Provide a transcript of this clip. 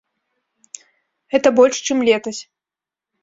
Гэта больш, чым летась.